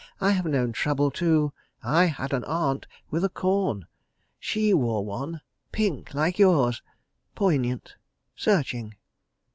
I have known trouble too. I had an Aunt with a corn. ... She wore one. ... Pink, like yours. ... Poignant. ... Searching.